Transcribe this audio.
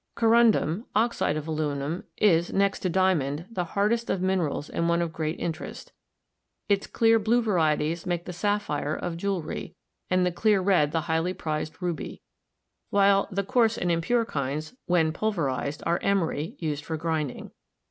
Corundum, oxide of aluminium, is, next to diamond, the hardest of minerals and one of great interest. Its clear blue varieties make the sapphire of jewelry, and the clear red the highly prized ruby; while the coarse and impure kinds, when pulverized, are emery, used for grinding.